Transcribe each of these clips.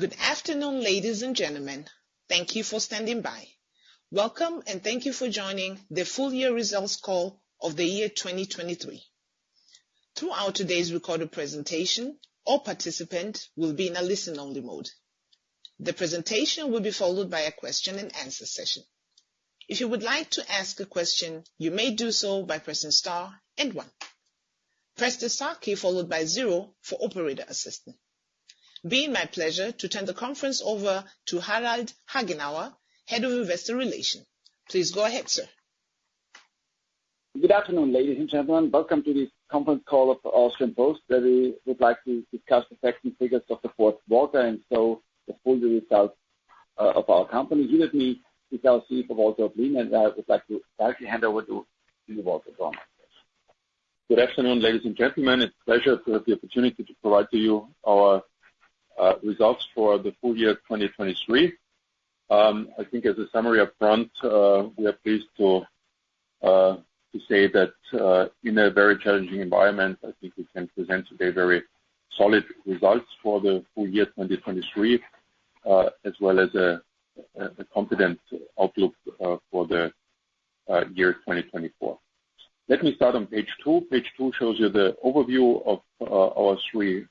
Good afternoon, ladies and gentlemen. Thank you for standing by. Welcome, and thank you for joining the Full-Year Results Call of the year 2023. Throughout today's recorded presentation, all participants will be in a listen-only mode. The presentation will be followed by a question-and-answer session. If you would like to ask a question, you may do so by pressing star and one. Press the star key followed by zero for operator assistance. It's my pleasure to turn the conference over to Harald Hagenauer, Head of Investor Relations. Please go ahead, sir. Good afternoon, ladies and gentlemen. Welcome to this conference call of Austrian Post, where we would like to discuss the facts and figures of the fourth quarter and so the full results of our company. Here with me is our Chief, Walter Oblin, and I would like to directly hand over to you, Walter, to our conference. Good afternoon, ladies and gentlemen. It's a pleasure to have the opportunity to provide to you our results for the full year 2023. I think as a summary upfront, we are pleased to say that in a very challenging environment, I think we can present today very solid results for the full year 2023, as well as a confident outlook for the year 2024. Let me start on page two. Page two shows you the overview of our three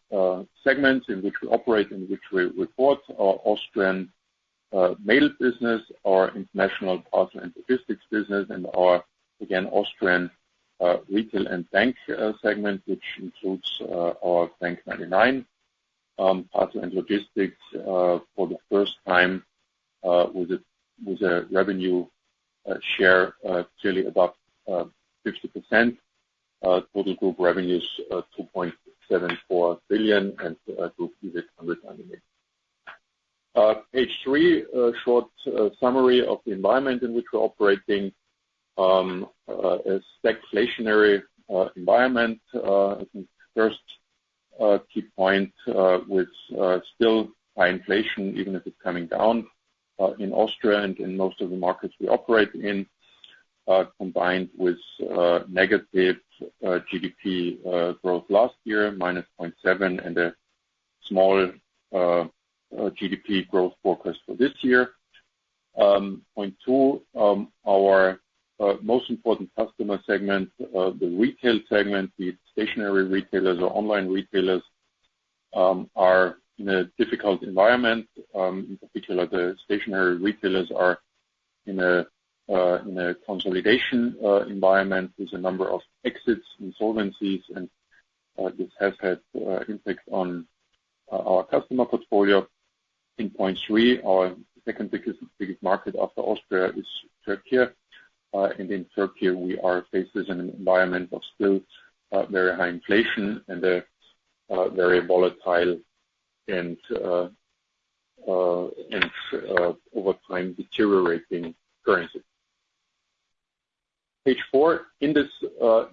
segments in which we operate, in which we report: our Austrian Mail business, our International Parcel & Logistics business, and our, again, Austrian Retail & Bank segment, which includes our bank99 Parcel & Logistics for the first time with a revenue share clearly above 50%, total group revenues 2.74 billion, and group EBIT 198 million. Page three, a short summary of the environment in which we're operating: a stagflationary environment. I think the first key point with still high inflation, even if it's coming down, in Austria and in most of the markets we operate in, combined with negative GDP growth last year, -0.7%, and a small GDP growth forecast for this year. Point two, our most important customer segment, the Retail segment, the stationary retailers or online retailers, are in a difficult environment. In particular, the stationary retailers are in a consolidation environment with a number of exits, insolvencies, and this has had impact on our customer portfolio. In point three, our second biggest market after Austria is Turkey. And in Turkey, we are faced with an environment of still very high inflation and a very volatile and over time deteriorating currency. Page four, in this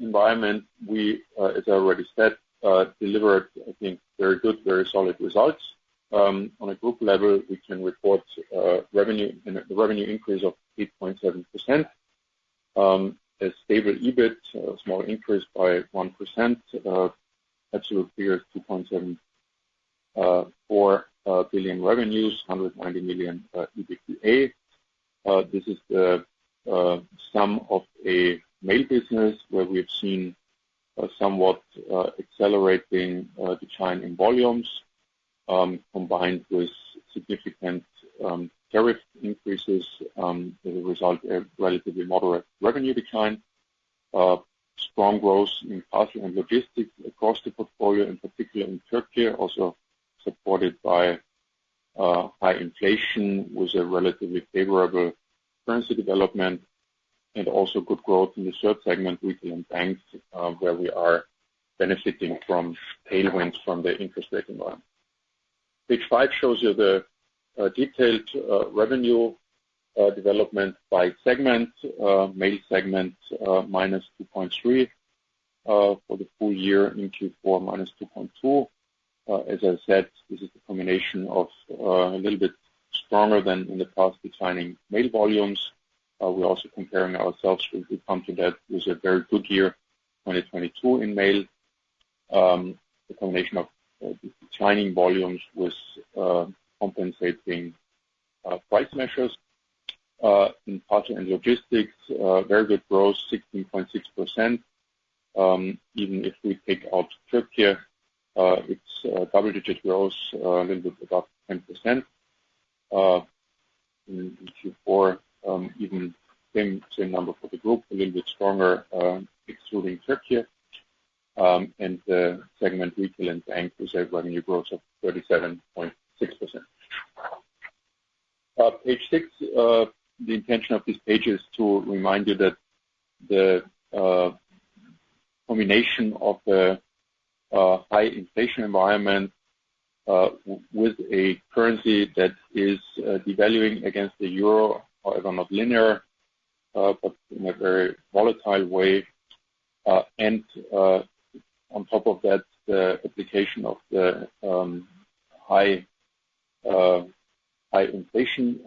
environment, we, as I already said, delivered, I think, very good, very solid results. On a group level, we can report a revenue increase of 8.7%, a stable EBIT, a small increase by 1%, absolute figures 2.74 billion revenues, 190 million EBIT. This is the sum of a Mail business where we have seen somewhat accelerating decline in volumes, combined with significant tariff increases that result in a relatively moderate revenue decline. Strong growth in Parcel & Logistics across the portfolio, in particular in Turkey, also supported by high inflation with a relatively favorable currency development and also good growth in the third segment, Retail & Bank, where we are benefiting from tailwinds from the interest rate environment. Page five shows you the detailed revenue development by segment, Mail segment -2.3% for the full year in Q4 -2.2%. As I said, this is the combination of a little bit stronger than in the past declining mail volumes. We're also comparing ourselves with we come to that with a very good year, 2022, in Mail, the combination of declining volumes with compensating price measures. In Parcel & Logistics, very good growth, 16.6%. Even if we take out Turkey, it's double-digit growth, a little bit above 10%. In Q4, even same number for the group, a little bit stronger, excluding Turkey. And the segment Retail & Bank with a revenue growth of 37.6%. Page six, the intention of these pages is to remind you that the combination of the high inflation environment with a currency that is devaluing against the euro, however, not linear, but in a very volatile way. And on top of that, the application of the high inflation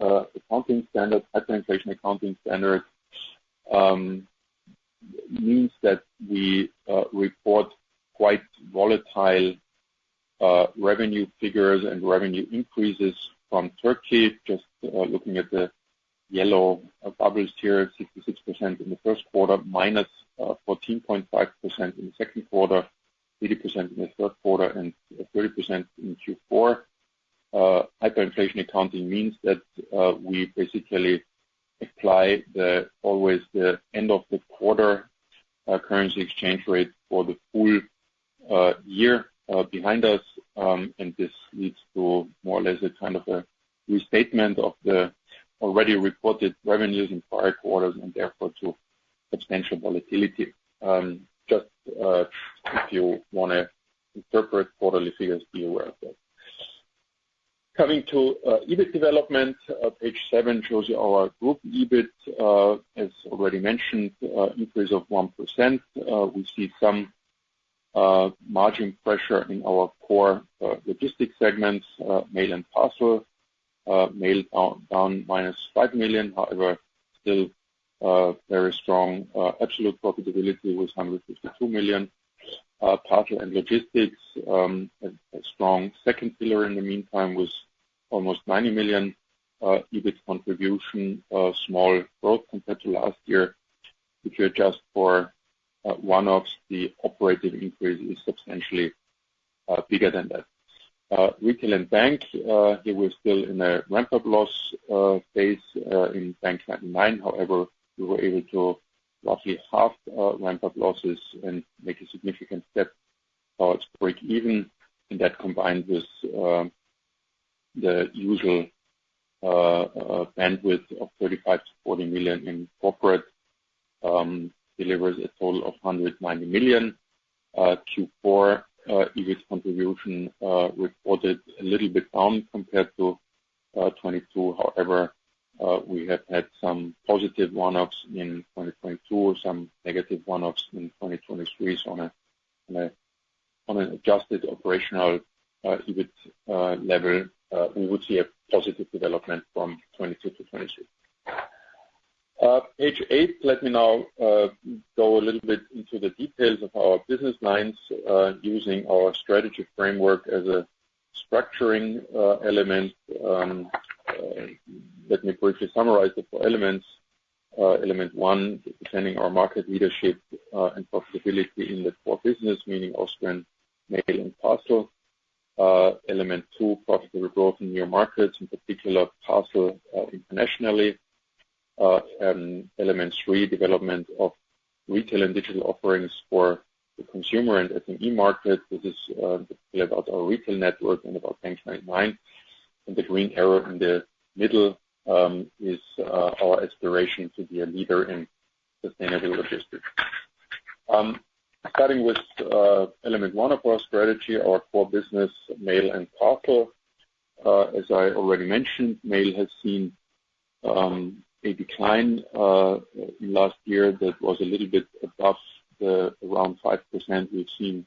accounting standard, hyperinflation accounting standard, means that we report quite volatile revenue figures and revenue increases from Turkey. Just looking at the yellow bubbles here, 66% in the first quarter, -14.5% in the second quarter, 80% in the third quarter, and 30% in Q4. Hyperinflation accounting means that we basically apply always the end-of-the-quarter currency exchange rate for the full year behind us. This leads to more or less a kind of a restatement of the already reported revenues in prior quarters and therefore to substantial volatility. Just if you want to interpret quarterly figures, be aware of that. Coming to EBIT development, page seven shows you our group EBIT. As already mentioned, increase of 1%. We see some margin pressure in our core logistics segments, Mail and Parcel. Mail down -5 million, however, still very strong absolute profitability with 152 million. Parcel & Logistics, a strong second pillar in the meantime with almost 90 million. EBIT contribution, small growth compared to last year. If you adjust for one-offs, the operating increase is substantially bigger than that. Retail & Bank, here we're still in a ramp-up loss phase in bank99. However, we were able to roughly half ramp-up losses and make a significant step towards break-even. And that combined with the usual bandwidth of 35 million-40 million in Corporate delivers a total of 190 million. Q4, EBIT contribution reported a little bit down compared to 2022. However, we have had some positive one-offs in 2022, some negative one-offs in 2023. So on an adjusted operational EBIT level, we would see a positive development from 2022-2023. Page eight, let me now go a little bit into the details of our business lines using our strategy framework as a structuring element. Let me briefly summarize the four elements. Element one, depending on our market leadership and profitability in the core business, meaning Austrian Mail and Parcel. Element two, profitable growth in new markets, in particular parcel internationally. Element three, development of retail and digital offerings for the consumer and SME market. This is about our retail network and about bank99. The green arrow in the middle is our aspiration to be a leader in sustainable logistics. Starting with element 1 of our strategy, our core business, Mail and parcel. As I already mentioned, Mail has seen a decline last year that was a little bit above around 5% we've seen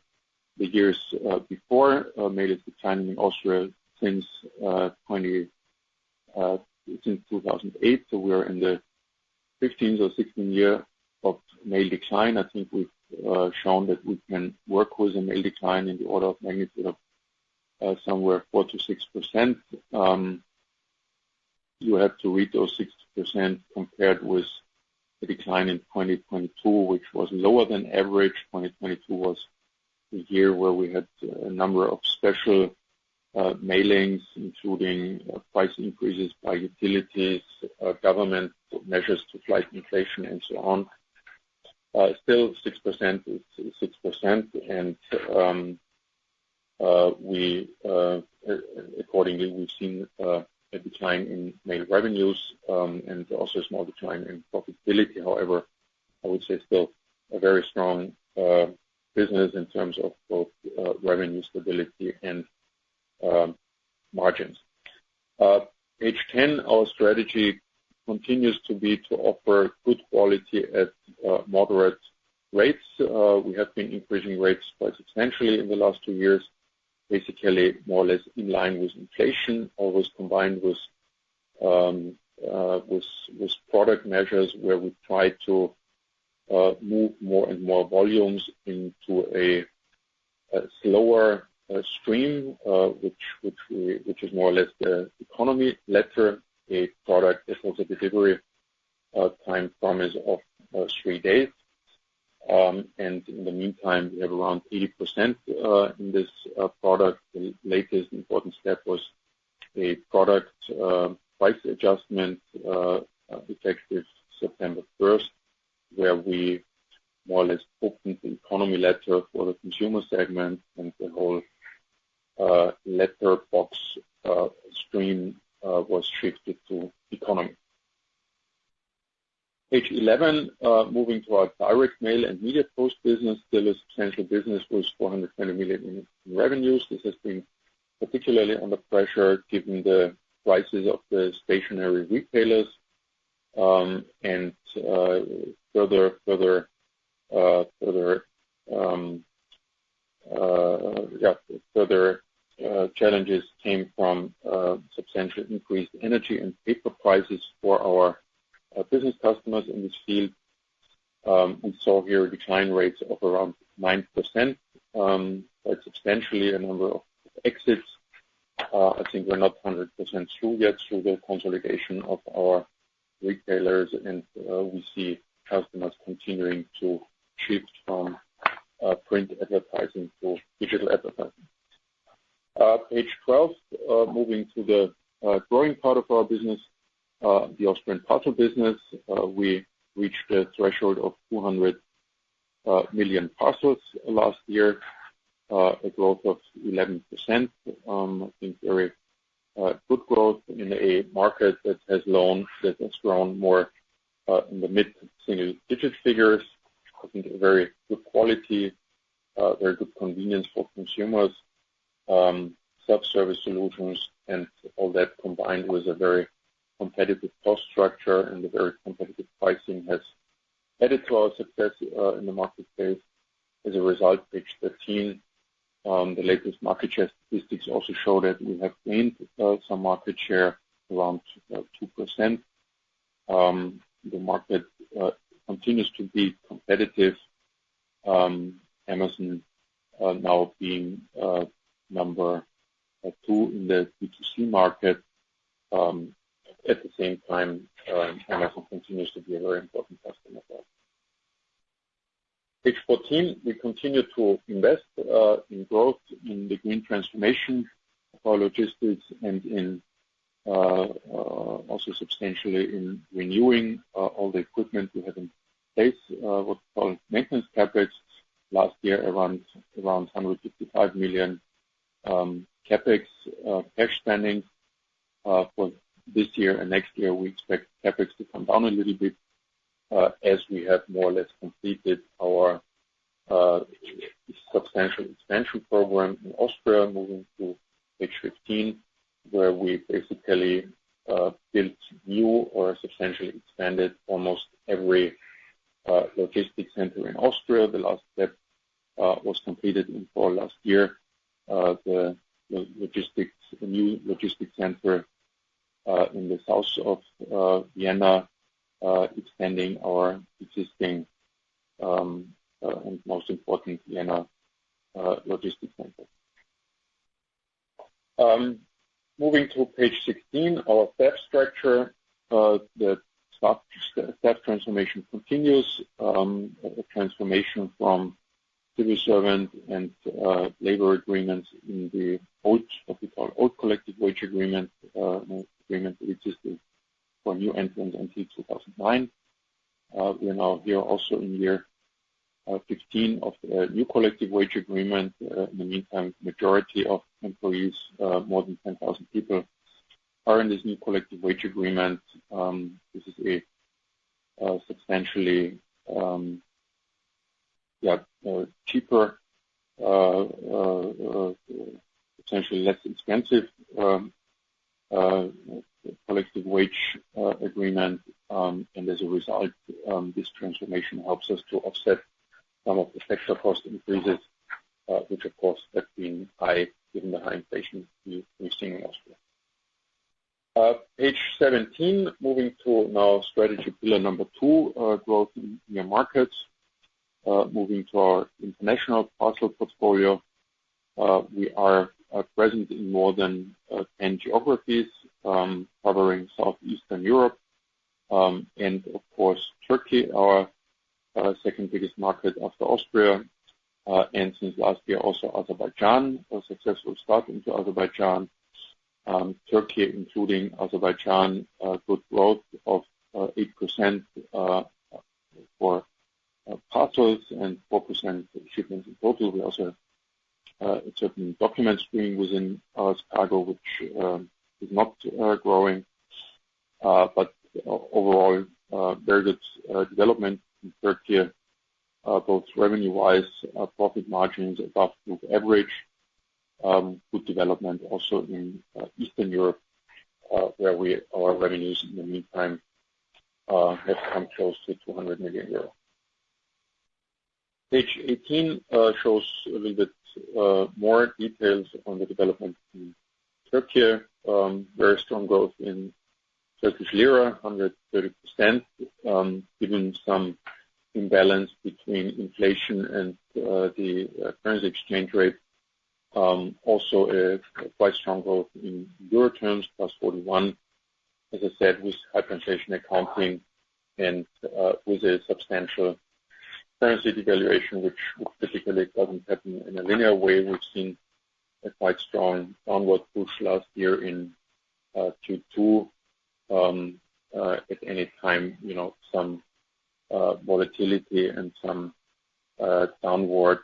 the years before. Mail is declining in Austria since 2008. So we're in the 15th or 16th year of Mail decline. I think we've shown that we can work with a Mail decline in the order of magnitude of somewhere 4%-6%. You have to read those 6% compared with the decline in 2022, which was lower than average. 2022 was a year where we had a number of special mailings, including price increases by utilities, government measures to fight inflation, and so on. Still, 6% is 6%. Accordingly, we've seen a decline in Mail revenues and also a small decline in profitability. However, I would say still a very strong business in terms of both revenue stability and margins. Page 10, our strategy continues to be to offer good quality at moderate rates. We have been increasing rates quite substantially in the last two years, basically more or less in line with inflation, always combined with product measures where we try to move more and more volumes into a slower stream, which is more or less the Economy Letter. A product is also delivery time promise of three days. And in the meantime, we have around 80% in this product. The latest important step was a product price adjustment effective September 1st, where we more or less opened the Economy Letter for the consumer segment, and the whole letterbox stream was shifted to economy. Page 11, moving to our Direct Mail and Media Post business, still a substantial business with 420 million in revenues. This has been particularly under pressure given the prices of the stationery retailers. And further challenges came from substantially increased energy and paper prices for our business customers in this field. We saw here decline rates of around 9%, quite substantially, a number of exits. I think we're not 100% through yet through the consolidation of our retailers. And we see customers continuing to shift from print advertising to digital advertising. Page 12, moving to the growing part of our business, the Austrian parcel business, we reached a threshold of 200 million parcels last year, a growth of 11%. I think very good growth in a market that has grown more in the mid-single-digit figures. I think very good quality, very good convenience for consumers, self-service solutions, and all that combined with a very competitive cost structure and a very competitive pricing has added to our success in the marketplace. As a result, page 13, the latest market share statistics also show that we have gained some market share around 2%. The market continues to be competitive, Amazon now being number two in the B2C market. At the same time, Amazon continues to be a very important customer for us. Page 14, we continue to invest in growth in the green transformation for logistics and also substantially in renewing all the equipment we have in place, what's called maintenance CapEx. Last year, around 155 million CapEx cash spending. For this year and next year, we expect CapEx to come down a little bit as we have more or less completed our substantial expansion program in Austria, moving to page 15, where we basically built new or substantially expanded almost every logistics center in Austria. The last step was completed in fall last year, the new logistics center in the south of Vienna, extending our existing and most important Vienna logistics center. Moving to page 16, our staff structure, the staff transformation continues, a transformation from civil servant and labor agreements in the old what we call old collective wage agreement, which is for new entrants until 2009. We're now here also in year 15 of the new collective wage agreement. In the meantime, majority of employees, more than 10,000 people, are in this new collective wage agreement. This is a substantially cheaper, potentially less expensive collective wage agreement. And as a result, this transformation helps us to offset some of the sector cost increases, which, of course, have been high given the high inflation we're seeing in Austria. Page 17, moving to now strategy pillar number two, growth in new markets. Moving to our international parcel portfolio, we are present in more than 10 geographies, covering southeastern Europe and, of course, Turkey, our second biggest market after Austria. And since last year, also Azerbaijan, a successful start into Azerbaijan. Turkey, including Azerbaijan, good growth of 8% for parcels and 4% shipments in total. We also have a certain document stream within our cargo, which is not growing. But overall, very good development in Turkey, both revenue-wise, profit margins above group average, good development also in Eastern Europe, where our revenues in the meantime have come close to 200 million euros. Page 18 shows a little bit more details on the development in Turkey. Very strong growth in Turkish lira, 130%, given some imbalance between inflation and the currency exchange rate. Also, quite strong growth in euro terms, +41%, as I said, with hyperinflation accounting and with a substantial currency devaluation, which typically doesn't happen in a linear way. We've seen a quite strong downward push last year in Q2. At any time, some volatility and some downward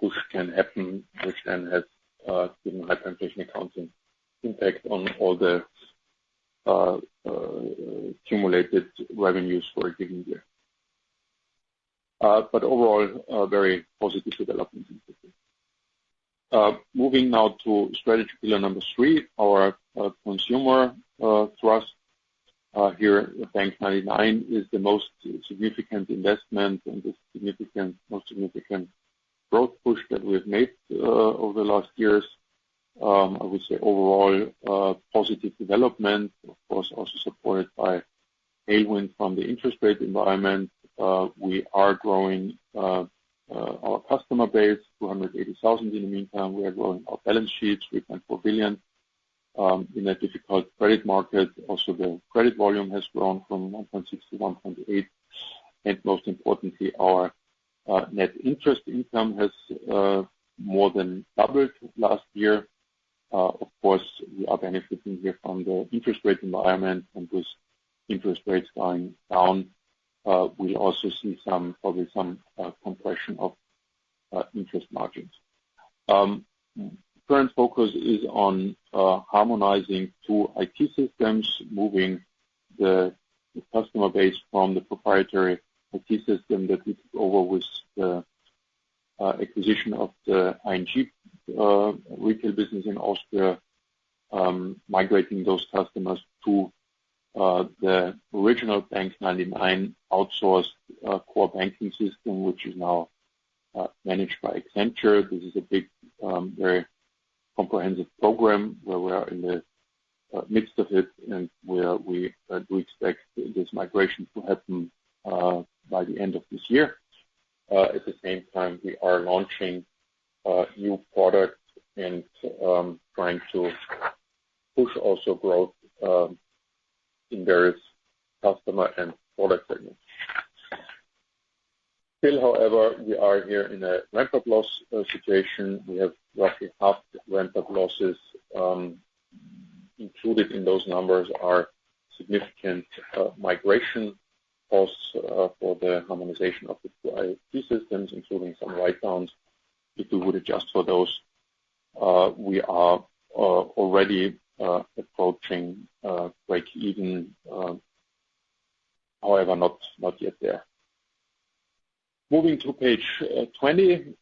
push can happen, which then has given hyperinflation accounting impact on all the accumulated revenues for a given year. But overall, very positive development in Turkey. Moving now to strategy pillar number three, our consumer trust. Here, bank99 is the most significant investment and the most significant growth push that we've made over the last years. I would say overall positive development, of course, also supported by tailwind from the interest rate environment. We are growing our customer base, 280,000 in the meantime. We are growing our balance sheets, 3.4 billion. In a difficult credit market, also the credit volume has grown from 1.6 billion-1.8 billion. And most importantly, our net interest income has more than doubled last year. Of course, we are benefiting here from the interest rate environment. And with interest rates going down, we'll also see probably some compression of interest margins. Current focus is on harmonizing two IT systems, moving the customer base from the proprietary IT system that we took over with the acquisition of the ING retail business in Austria, migrating those customers to the original bank99 outsourced core banking system, which is now managed by Accenture. This is a big, very comprehensive program where we are in the midst of it and where we do expect this migration to happen by the end of this year. At the same time, we are launching new products and trying to push also growth in various customer and product segments. Still, however, we are here in a ramp-up loss situation. We have roughly half the ramp-up losses included in those numbers are significant migration costs for the harmonization of the two IT systems, including some write-downs. If we would adjust for those, we are already approaching break-even, however, not yet there. Moving to page 20,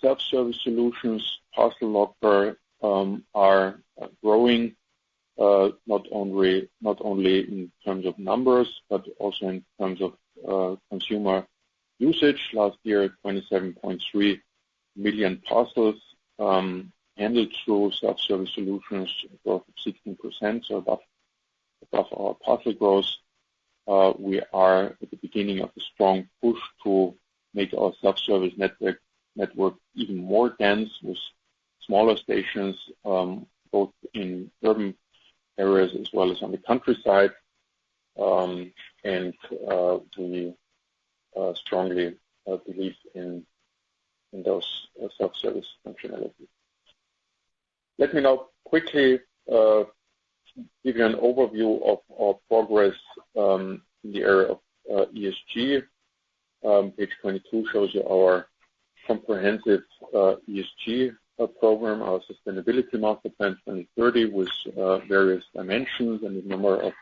self-service solutions, parcel locker are growing not only in terms of numbers but also in terms of consumer usage. Last year, 27.3 million parcels handled through self-service solutions, about 16%, so above our parcel growth. We are at the beginning of a strong push to make our self-service network even more dense with smaller stations, both in urban areas as well as on the countryside. We strongly believe in those self-service functionalities. Let me now quickly give you an overview of our progress in the area of ESG. Page 22 shows you our comprehensive ESG program, our sustainability master plan 2030 with various dimensions and a number of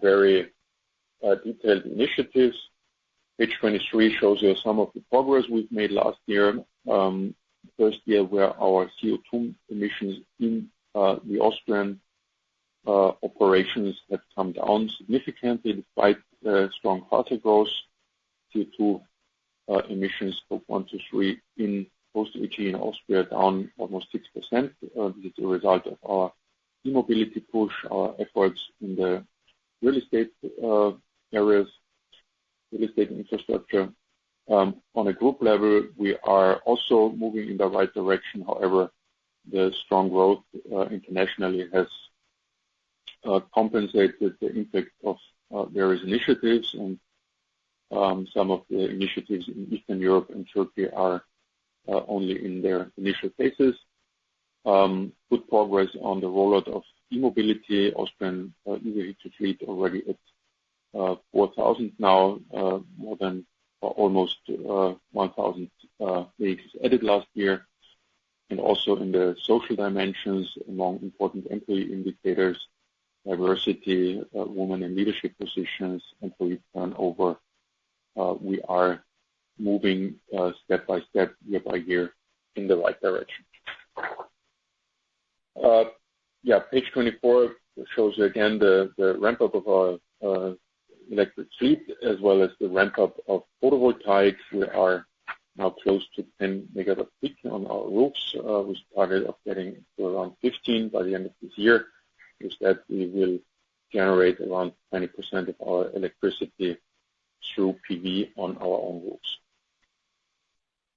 very detailed initiatives. Page 23 shows you some of the progress we've made last year. First year, where our CO2 emissions in the Austrian operations have come down significantly despite strong parcel growth. CO2 emissions of 1-3 in Austrian Post in Austria down almost 6%. This is a result of our e-mobility push, our efforts in the real estate areas, real estate infrastructure. On a group level, we are also moving in the right direction. However, the strong growth internationally has compensated the impact of various initiatives. Some of the initiatives in Eastern Europe and Turkey are only in their initial phases. Good progress on the rollout of e-mobility. Austrian e-vehicle fleet already at 4,000 now, more than almost 1,000 vehicles added last year. Also in the social dimensions, among important employee indicators: diversity, women in leadership positions, employee turnover. We are moving step by step, year by year, in the right direction. Yeah, page 24 shows you again the ramp-up of our electric fleet as well as the ramp-up of photovoltaics. We are now close to 10 MW peak on our roofs with a target of getting to around 15 by the end of this year. With that, we will generate around 20% of our electricity through PV on our own roofs.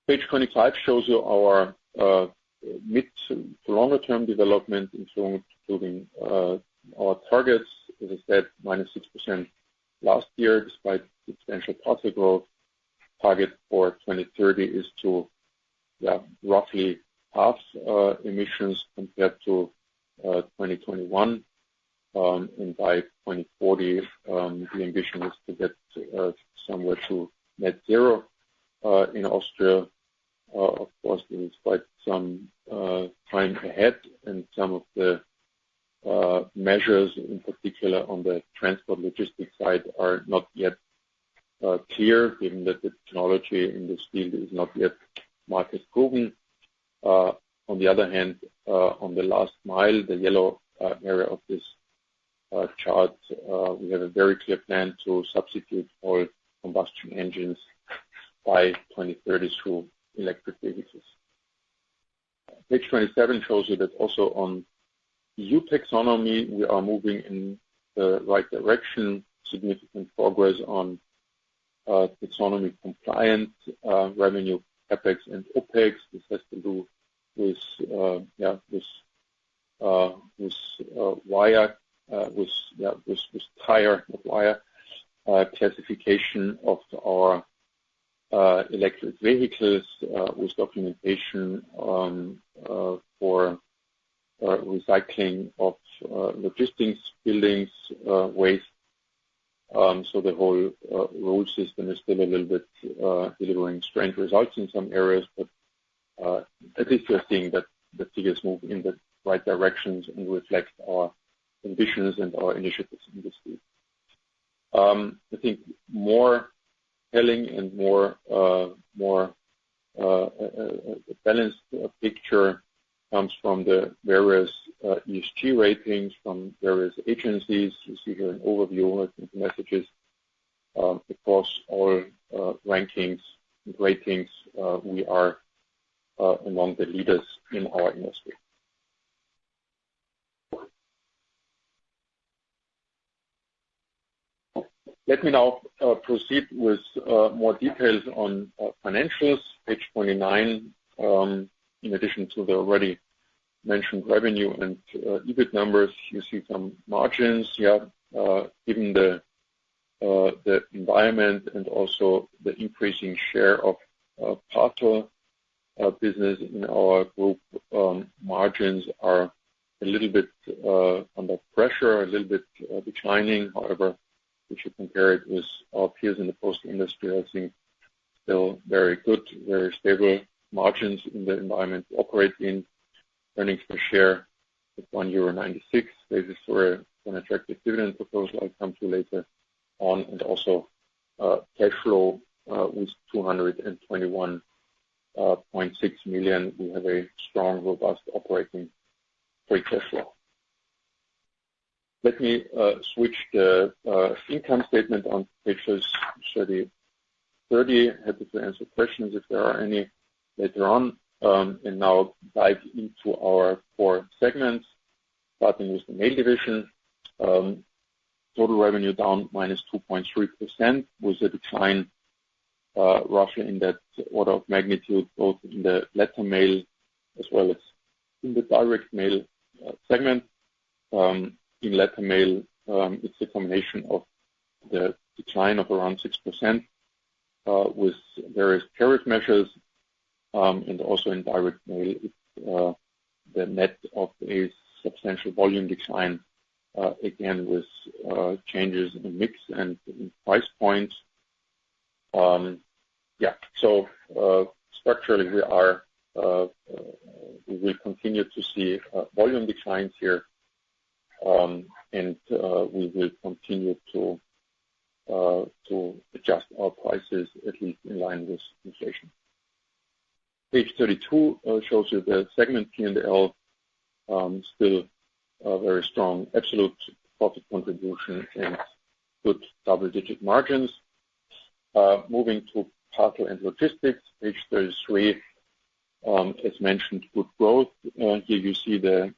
Page 25 shows you our mid- to longer-term development, including our targets. As I said, -6% last year despite substantial parcel growth. Target for 2030 is to, yeah, roughly halve emissions compared to 2021. By 2040, the ambition is to get somewhere to net zero in Austria. Of course, there is quite some time ahead. Some of the measures, in particular on the transport logistics side, are not yet clear, given that the technology in this field is not yet market-proven. On the other hand, on the last mile, the yellow area of this chart, we have a very clear plan to substitute all combustion engines by 2030 through electric vehicles. Page 27 shows you that also on EU Taxonomy, we are moving in the right direction, significant progress on taxonomy compliance, revenue CapEx and OpEx. This has to do with classification of our electric vehicles, with documentation for recycling of logistics, buildings, waste. So the whole rule system is still a little bit delivering strange results in some areas. But at least you're seeing that the figures move in the right directions and reflect our ambitions and our initiatives in this field. I think more telling and more balanced picture comes from the various ESG ratings from various agencies. You see here an overview of the messages. Across all rankings and ratings, we are among the leaders in our industry. Let me now proceed with more details on financials. Page 29, in addition to the already mentioned revenue and EBIT numbers, you see some margins. Yeah, given the environment and also the increasing share of parcel business in our group, margins are a little bit under pressure, a little bit declining. However, if you compare it with our peers in the post-industry, I think still very good, very stable margins in the environment to operate in, earnings per share at 1.96 euro. This is for an attractive dividend proposal. I'll come to later on. Also cash flow with 221.6 million, we have a strong, robust operating free cash flow. Let me switch the income statement on pages 30. Happy to answer questions if there are any later on. Now dive into our core segments, starting with the Mail division. Total revenue down -2.3% with a decline roughly in that order of magnitude, both in the Letter Mail as well as in the Direct Mail segment. In Letter Mail, it's a combination of the decline of around 6% with various tariff measures. And also in Direct Mail, it's the net of a substantial volume decline, again, with changes in mix and in price points. Yeah, so structurally, we will continue to see volume declines here. And we will continue to adjust our prices, at least in line with inflation. Page 32 shows you the segment P&L, still very strong absolute profit contribution and good double-digit margins. Moving to Parcel & Logistics, page 33, as mentioned, good growth. Here, you see the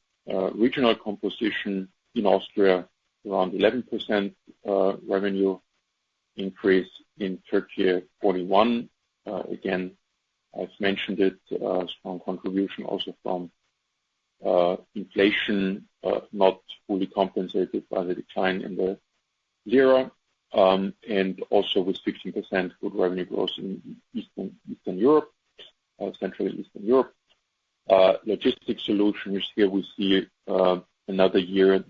regional composition in Austria, around 11% revenue increase in Turkey, 41. Again, as mentioned, it's a strong contribution also from inflation, not fully compensated by the decline in the lira. And also with 15% good revenue growth in Eastern Europe, central Eastern Europe. Logistics solutions, here, we see another year,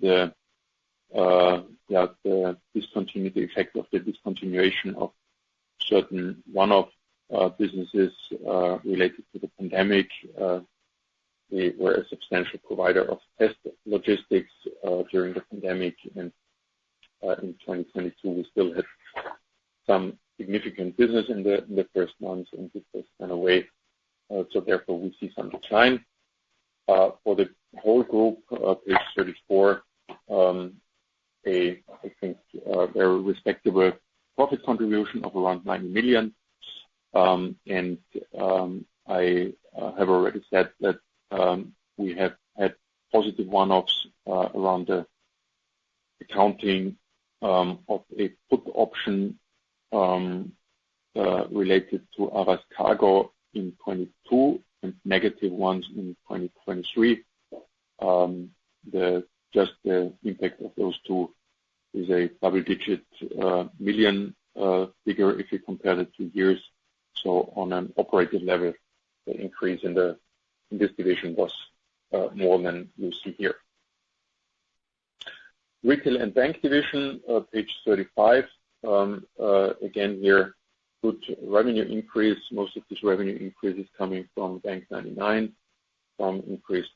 yeah, the discontinuity effect of the discontinuation of certain one-off businesses related to the pandemic. They were a substantial provider of test logistics during the pandemic. And in 2022, we still had some significant business in the first months. And this was kind of way. So therefore, we see some decline. For the whole group, page 34, I think a very respectable profit contribution of around 90 million. And I have already said that we have had positive one-offs around the accounting of a put option related to Aras Kargo in 2022 and negative ones in 2023. Just the impact of those two is a double-digit million euro figure if you compare the two years. So on an operative level, the increase in this division was more than you see here. Retail & Bank division, page 35. Again, here, good revenue increase. Most of this revenue increase is coming from bank99, from increased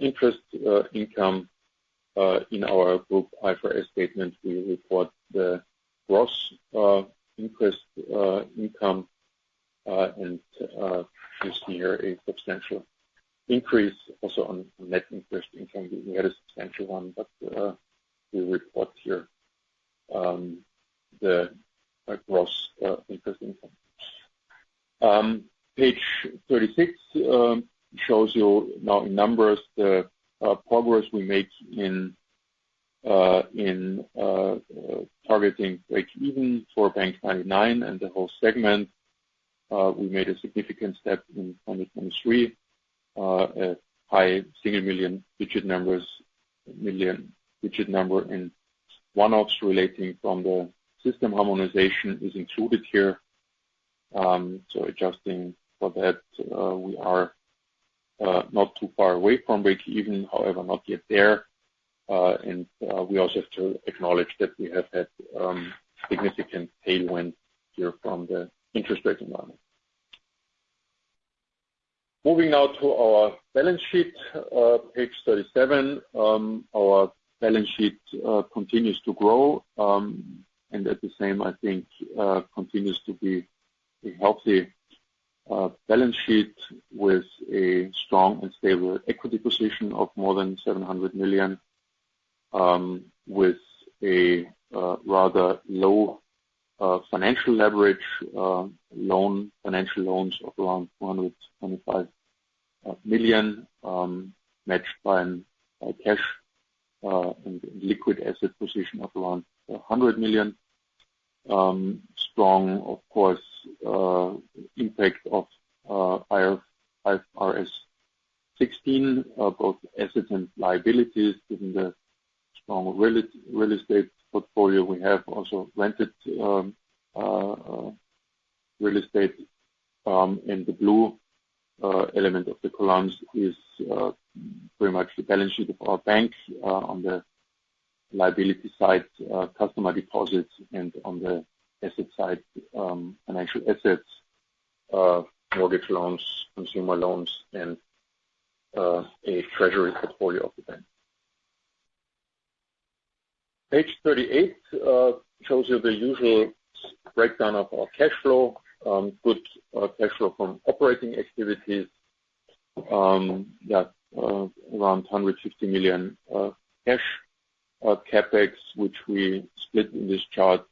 interest income. In our group IFRS statement, we report the gross interest income. And you see here a substantial increase also on net interest income. We had a substantial one, but we report here the gross interest income. Page 36 shows you now in numbers the progress we make in targeting break-even for bank99 and the whole segment. We made a significant step in 2023, a high single-million-digit euro number in one-offs relating from the system harmonization is included here. So adjusting for that, we are not too far away from break-even, however, not yet there. And we also have to acknowledge that we have had significant tailwind here from the interest rate environment. Moving now to our balance sheet, page 37, our balance sheet continues to grow. And at the same, I think, continues to be a healthy balance sheet with a strong and stable equity position of more than 700 million, with a rather low financial leverage, financial loans of around 225 million, matched by cash and liquid asset position of around 100 million. Strong, of course, impact of IFRS 16, both assets and liabilities. Given the strong real estate portfolio, we have also rented real estate. And the blue element of the columns is pretty much the balance sheet of our bank on the liability side, customer deposits, and on the asset side, financial assets, mortgage loans, consumer loans, and a treasury portfolio of the bank. Page 38 shows you the usual breakdown of our cash flow, good cash flow from operating activities, yeah, around 150 million cash CapEx, which we split in this chart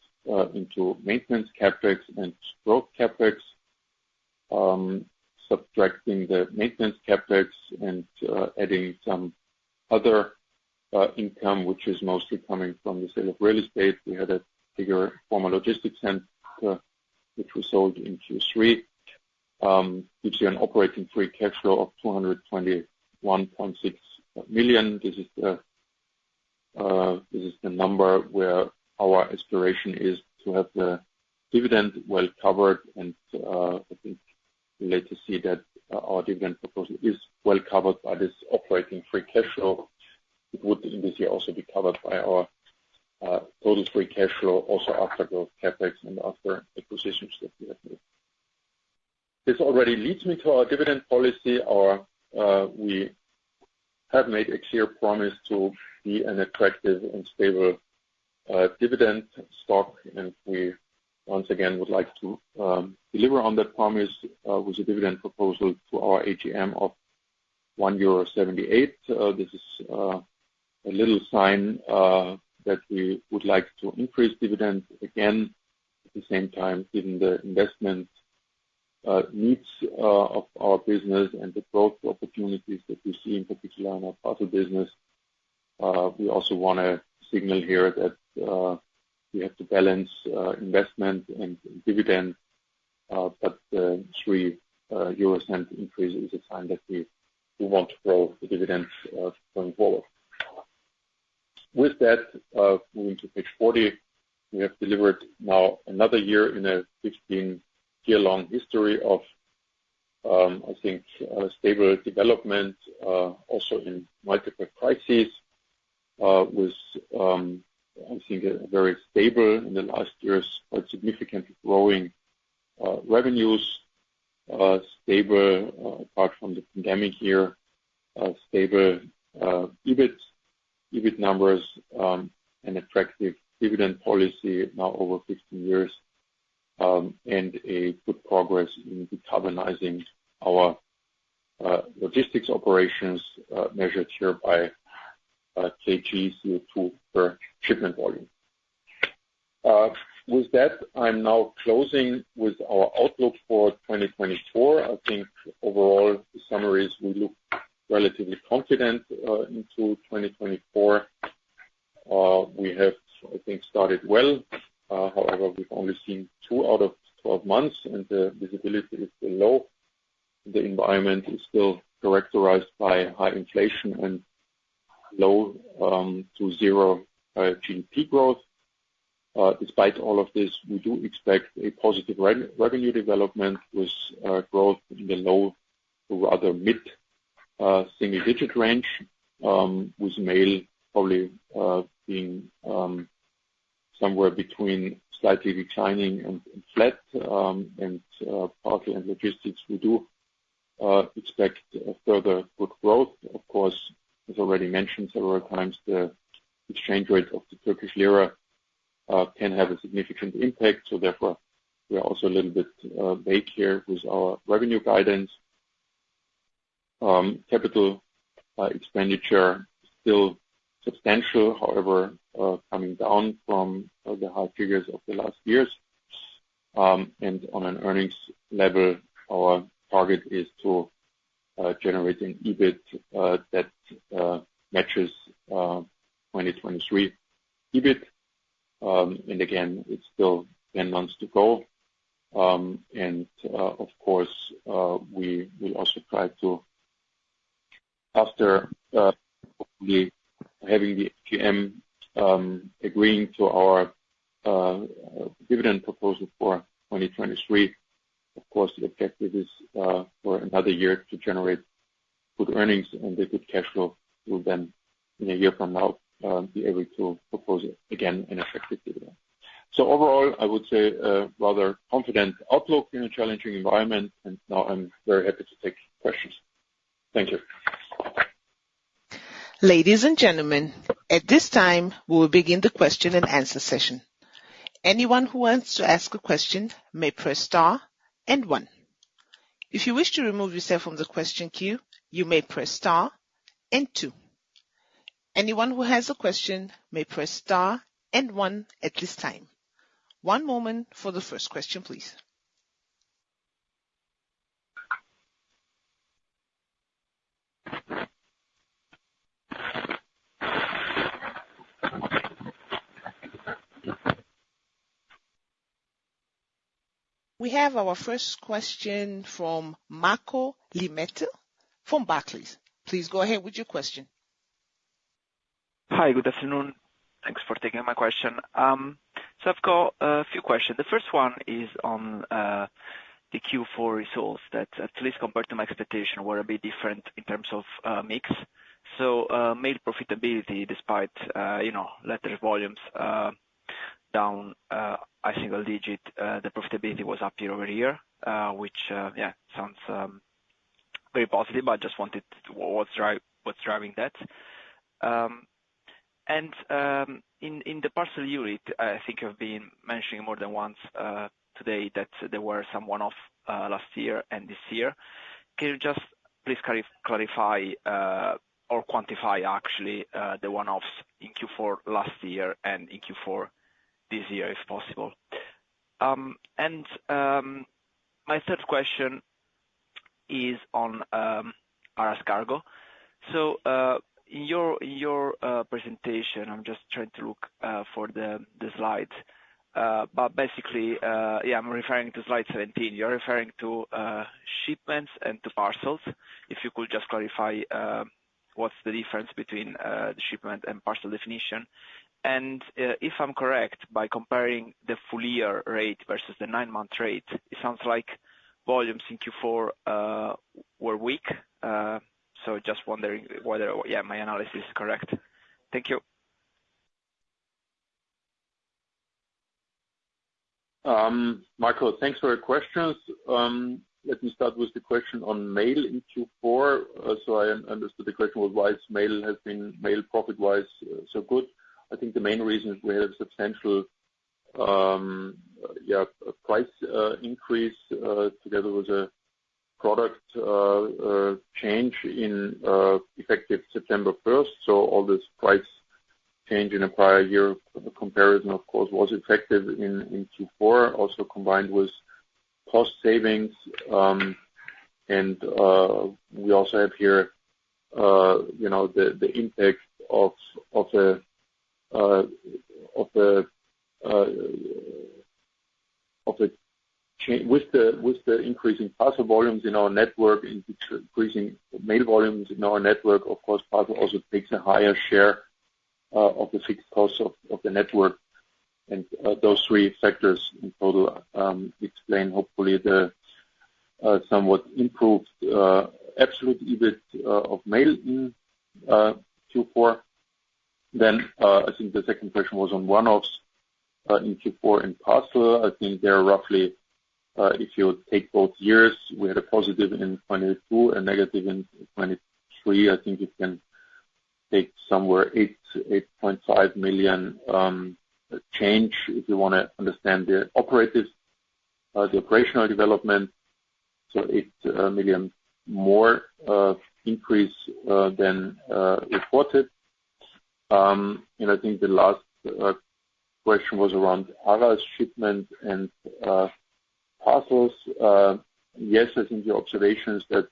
into maintenance CapEx and growth CapEx, subtracting the maintenance CapEx and adding some other income, which is mostly coming from the sale of real estate. We had a bigger former logistics center, which was sold in Q3, gives you an operating free cash flow of 221.6 million. This is the number where our aspiration is to have the dividend well covered. I think you'll later see that our dividend proposal is well covered by this operating free cash flow. It would this year also be covered by our total free cash flow, also after growth CapEx and after acquisitions that we have made. This already leads me to our dividend policy. We have made a clear promise to be an attractive and stable dividend stock. We once again would like to deliver on that promise with a dividend proposal to our AGM of 1.78. This is a little sign that we would like to increase dividend again. At the same time, given the investment needs of our business and the growth opportunities that we see, in particular, in our parcel business, we also want to signal here that we have to balance investment and dividend. The 0.03 increase is a sign that we want to grow the dividends going forward. With that, moving to page 40, we have delivered now another year in a 15-year-long history of, I think, stable development, also in multiple crises, with, I think, very stable in the last year's quite significantly growing revenues, stable apart from the pandemic here, stable EBIT numbers, an attractive dividend policy now over 15 years, and good progress in decarbonizing our logistics operations, measured here by kg CO2 per shipment volume. With that, I'm now closing with our outlook for 2024. I think overall summaries, we look relatively confident into 2024. We have, I think, started well. However, we've only seen 2 out of 12 months. The visibility is still low. The environment is still characterized by high inflation and low to zero GDP growth. Despite all of this, we do expect a positive revenue development with growth in the low to rather mid-single-digit range, with Mail probably being somewhere between slightly declining and flat. Parcel & Logistics, we do expect further good growth. Of course, as already mentioned several times, the exchange rate of the Turkish lira can have a significant impact. So therefore, we are also a little bit vague here with our revenue guidance. Capital expenditure still substantial, however, coming down from the high figures of the last years. On an earnings level, our target is to generate an EBIT that matches 2023 EBIT. Again, it's still 10 months to go. Of course, we will also try to, after hopefully having the AGM agreeing to our dividend proposal for 2023, of course, the objective is for another year to generate good earnings and a good cash flow. We'll then, in a year from now, be able to propose again an effective dividend. So overall, I would say a rather confident outlook in a challenging environment. And now I'm very happy to take questions. Thank you. Ladies and gentlemen, at this time, we will begin the question and answer session. Anyone who wants to ask a question may press star and one. If you wish to remove yourself from the question queue, you may press star and two. Anyone who has a question may press star and 1 at this time. One moment for the first question, please. We have our first question from Marco Limite from Barclays. Please go ahead with your question. Hi. Good afternoon. Thanks for taking my question. So I've got a few questions. The first one is on the Q4 results that, at least compared to my expectation, were a bit different in terms of mix. So Mail profitability, despite letter volumes down a single digit, the profitability was up year-over-year, which, yeah, sounds very positive. I just wanted to know what's driving that. And in the parcel unit, I think I've been mentioning more than once today that there were some one-offs last year and this year. Can you just please clarify or quantify, actually, the one-offs in Q4 last year and in Q4 this year, if possible? And my third question is on Aras Kargo. So in your presentation, I'm just trying to look for the slides. But basically, yeah, I'm referring to slide 17. You're referring to shipments and to parcels. If you could just clarify what's the difference between the shipment and parcel definition. If I'm correct, by comparing the full-year rate versus the nine-month rate, it sounds like volumes in Q4 were weak. Just wondering whether, yeah, my analysis is correct. Thank you. Marco, thanks for your questions. Let me start with the question on Mail in Q4. I understood the question was why Mail has been Mail profit-wise so good. I think the main reason is we had a substantial, yeah, price increase together with a product change effective September 1st. All this price change in a prior year comparison, of course, was effective in Q4, also combined with cost savings. And we also have here the impact of with the increasing parcel volumes in our network and increasing mail volumes in our network, of course, parcel also takes a higher share of the fixed costs of the network. Those three factors in total explain, hopefully, the somewhat improved absolute EBIT of Mail in Q4. Then I think the second question was on one-offs in Q4 and parcel. I think they're roughly, if you take both years, we had a positive in 2022 and negative in 2023. I think you can take somewhere 8.5 million change if you want to understand the operational development. So 8 million more increase than reported. And I think the last question was around vast shipment and parcels. Yes, I think your observation is that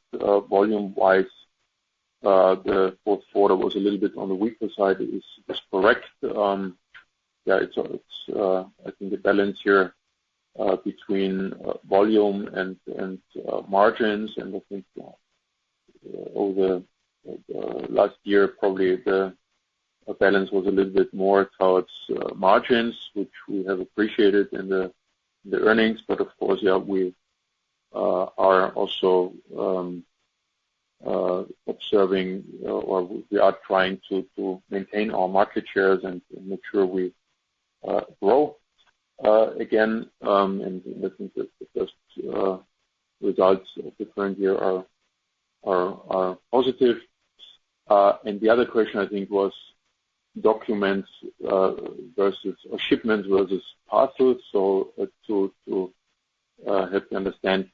volume-wise, the fourth quarter was a little bit on the weaker side. It is correct. Yeah, I think the balance here between volume and margins. And I think over the last year, probably the balance was a little bit more towards margins, which we have appreciated in the earnings. But of course, yeah, we are also observing or we are trying to maintain our market shares and make sure we grow again. I think the first results of the current year are positive. The other question, I think, was documents versus or shipments versus parcels. So to help you understand,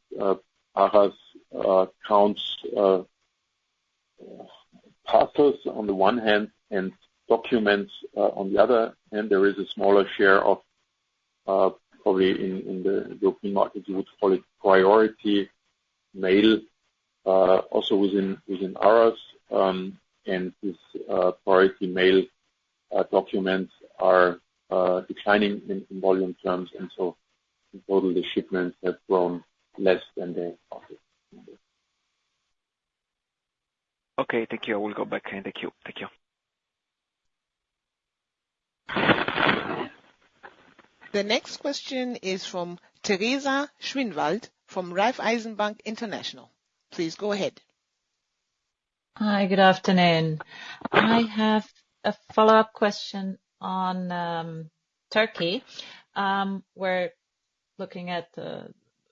Austrian Post counts parcels on the one hand and documents on the other hand. There is a smaller share of, probably in the European market, you would call it Priority Mail, also within Austrian Post. This Priority Mail documents are declining in volume terms. So in total, the shipments have grown less than the market. Okay. Thank you. I will go back and thank you. Thank you. The next question is from Teresa Schinwald from Raiffeisen Bank International. Please go ahead. Hi. Good afternoon. I have a follow-up question on Turkey. We're looking at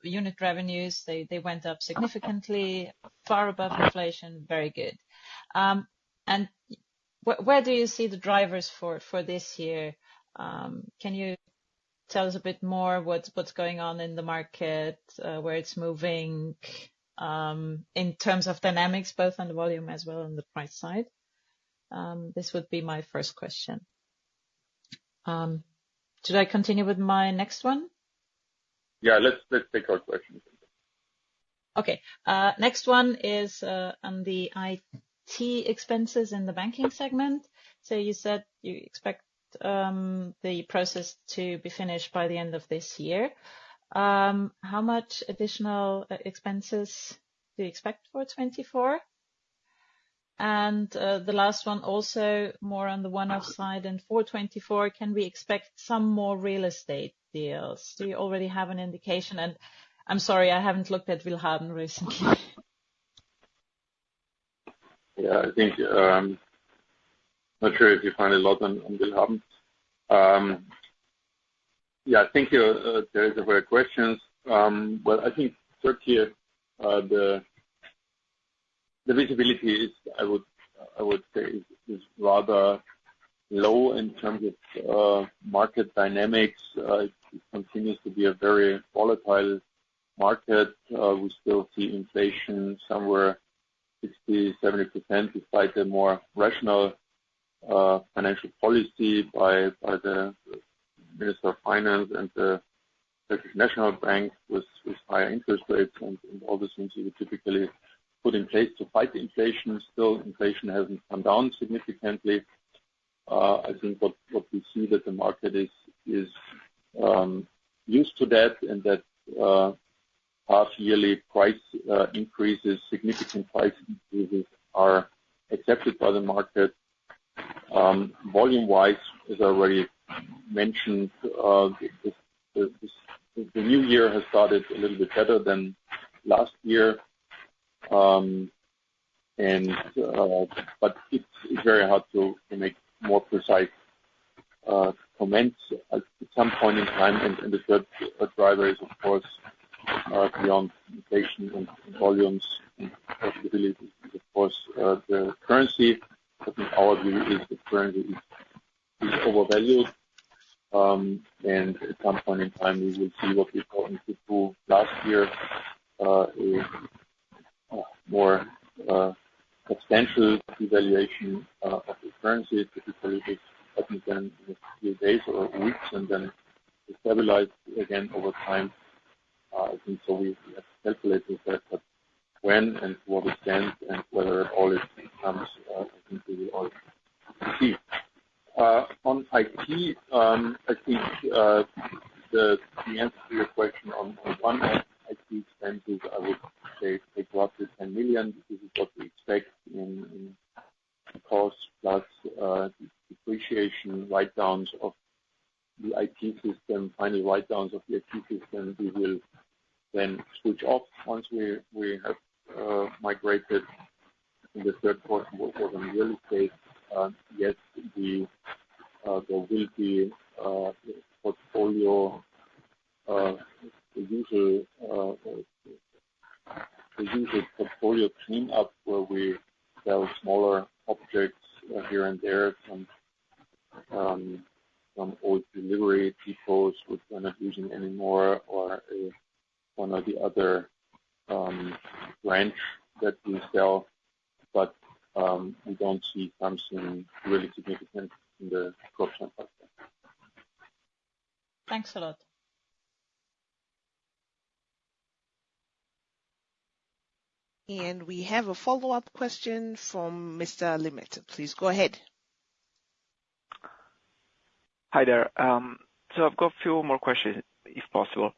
unit revenues. They went up significantly, far above inflation. Very good. And where do you see the drivers for this year? Can you tell us a bit more, what's going on in the market, where it's moving in terms of dynamics, both on the volume as well on the price side? This would be my first question. Should I continue with my next one? Yeah. Let's take all questions. Okay. Next one is on the IT expenses in the Banking segment. So you said you expect the process to be finished by the end of this year. How much additional expenses do you expect for 2024? And the last one, also more on the one-off side. And for 2024, can we expect some more real estate deals? Do you already have an indication? And I'm sorry, I haven't looked at willhaben recently. Yeah. I'm not sure if you find a lot on willhaben. Yeah. Thank you, Theresa, for your questions. Well, I think Turkey, the visibility, I would say, is rather low in terms of market dynamics. It continues to be a very volatile market. We still see inflation somewhere 60%-70% despite the more rational financial policy by the Minister of Finance and the Turkish National Bank with higher interest rates. And all the things you would typically put in place to fight inflation, still, inflation hasn't gone down significantly. I think what we see that the market is used to that and that half-yearly price increases, significant price increases, are accepted by the market. Volume-wise, as I already mentioned, the new year has started a little bit better than last year. It's very hard to make more precise comments at some point in time. And the third driver is, of course, beyond inflation and volumes and possibilities, of course, the currency. I think our view is the currency is overvalued. And at some point in time, we will see what we thought in Q2 last year, a more substantial devaluation of the currency, typically at least in a few days or weeks, and then it stabilized again over time. I think so we have to calculate with that, but when and to what extent and whether at all it comes, I think we will all see. On IT, I think the answer to your question on one-off IT expenses, I would say take roughly 10 million. This is what we expect in cost plus depreciation write-downs of the IT system, final write-downs of the IT system. We will then switch off once we have migrated in the third quarter more than real estate. Yes, there will be portfolio, the usual portfolio cleanup where we sell smaller objects here and there, some old delivery depots we're not using anymore, or one or the other branch that we sell. But we don't see something really significant in the crop shop sector. Thanks a lot. And we have a follow-up question from Mr. Limite. Please go ahead. Hi there. So I've got a few more questions, if possible.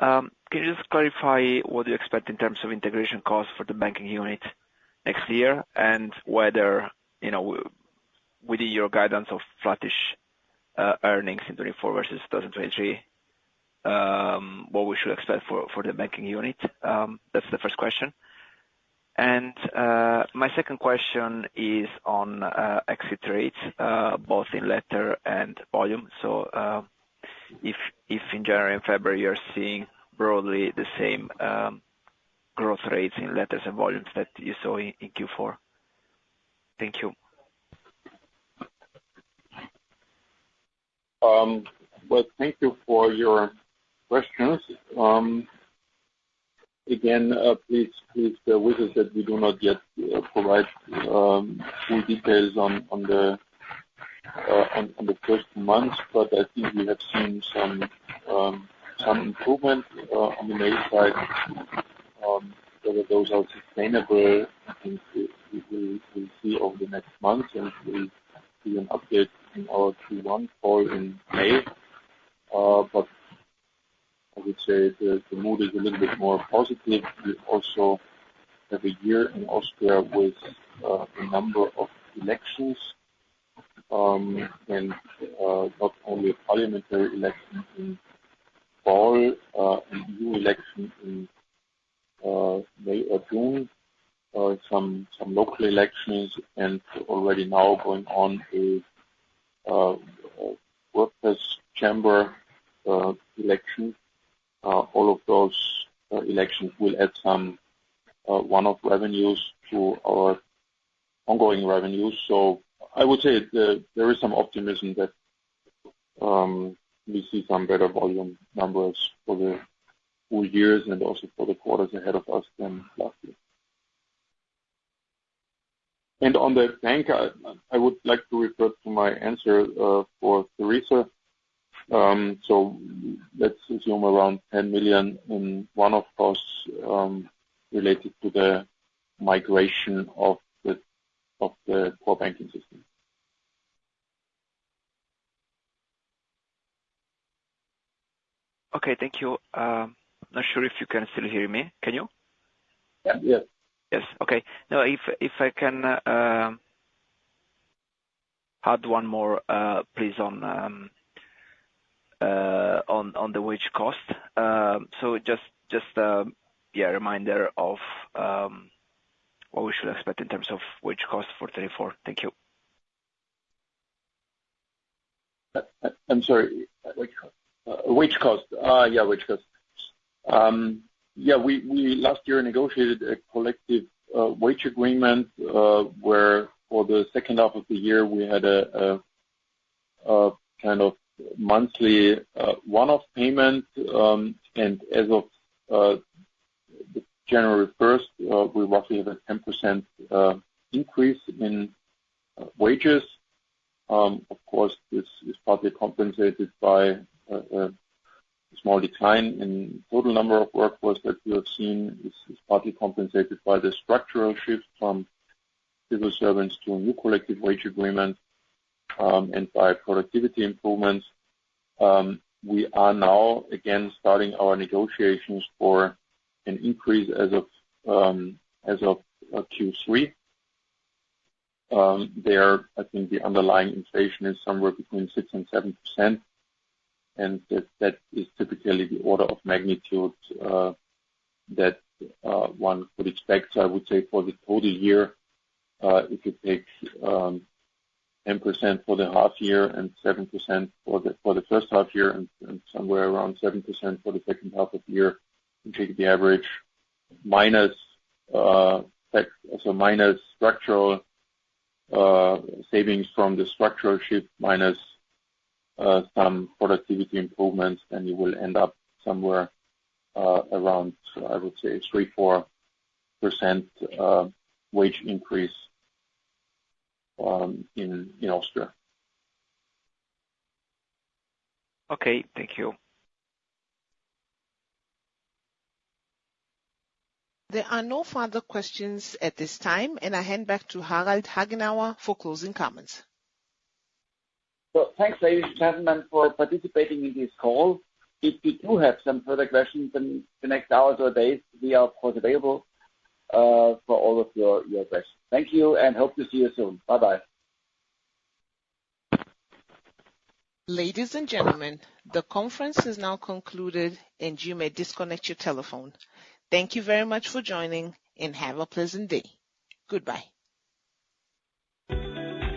Can you just clarify what you expect in terms of integration costs for the banking unit next year and whether, within your guidance of flattish earnings in 2024 versus 2023, what we should expect for the banking unit? That's the first question. And my second question is on exit rates, both in letter and volume. So if, in general, in February, you're seeing broadly the same growth rates in letters and volumes that you saw in Q4. Thank you. Well, thank you for your questions. Again, please witness that we do not yet provide full details on the first two months. But I think we have seen some improvement on the Mail side. Whether those are sustainable, I think we'll see over the next months. And we'll give you an update in our Q1 call in May. But I would say the mood is a little bit more positive. We also have a year in Austria with a number of elections, and not only a parliamentary election in fall, a new election in May or June, some local elections, and already now going on a workplace chamber election. All of those elections will add some one-off revenues to our ongoing revenues. So I would say there is some optimism that we see some better volume numbers for the full years and also for the quarters ahead of us than last year. And on the bank, I would like to refer to my answer for Teresa. So let's assume around 10 million in one-off costs related to the migration of the core banking system. Okay. Thank you. I'm not sure if you can still hear me. Can you? Yeah. Yes. Yes. Okay. Now, if I can add one more, please, on the wage cost. So just, yeah, a reminder of what we should expect in terms of wage cost for 2024. Thank you. I'm sorry. Wage cost. Yeah, wage cost. Yeah, last year, we negotiated a collective wage agreement where for the second half of the year, we had a kind of monthly one-off payment. As of January 1st, we roughly have a 10% increase in wages. Of course, this is partly compensated by a small decline in total number of workforce that we have seen. It's partly compensated by the structural shift from civil servants to a new collective wage agreement and by productivity improvements. We are now, again, starting our negotiations for an increase as of Q3. There, I think the underlying inflation is somewhere between 6%-7%. That is typically the order of magnitude that one could expect. So I would say for the total year, if you take 10% for the half-year and 7% for the first half-year and somewhere around 7% for the second half of the year, you take the average minus structural savings from the structural shift, minus some productivity improvements, then you will end up somewhere around, I would say, 3%-4% wage increase in Austria. Okay. Thank you. There are no further questions at this time. And I hand back to Harald Hagenauer for closing comments. Well, thanks, ladies and gentlemen, for participating in this call. If you do have some further questions in the next hours or days, we are, of course, available for all of your questions. Thank you and hope to see you soon. Bye-bye. Ladies and gentlemen, the conference is now concluded, and you may disconnect your telephone. Thank you very much for joining, and have a pleasant day. Goodbye.